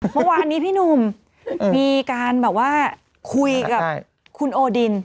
เมื่อวานนี้พี่หนุ่มมีการแบบว่าคุยกับคุณโอดิน